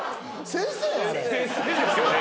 先生ですよね。